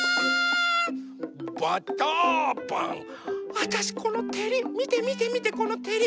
わたしこのてりみてみてみてこのてり。